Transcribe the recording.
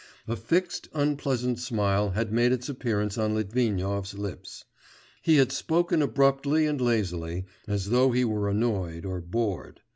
A fixed, unpleasant smile had made its appearance on Litvinov's lips; he had spoken abruptly and lazily, as though he were annoyed or bored....